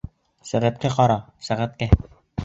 Сәғәткә ҡара, сәғәткә!